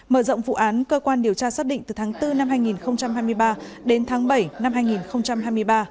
mở rộng vụ án cơ quan điều tra xác định từ tháng bốn năm hai nghìn hai mươi ba đến tháng bảy năm hai nghìn hai mươi ba